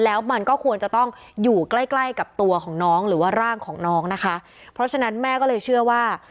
แล้วมันก็ควรจะต้องอยู่ใกล้ใกล้กับตัวของน้องหรือว่าร่างของน้องนะคะเพราะฉะนั้นแม่ก็เลยเชื่อว่า